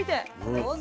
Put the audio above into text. どうぞ。